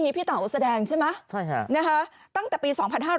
นี้พี่เต๋าแสดงใช่ไหมใช่ค่ะนะคะตั้งแต่ปีสองพันห้า